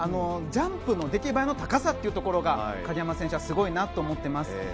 ジャンプの出来栄えの高さというところが鍵山選手はすごいなと思っています。